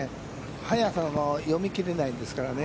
速さも読み切れないですからね。